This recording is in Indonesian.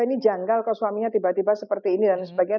ini janggal kok suaminya tiba tiba seperti ini dan sebagainya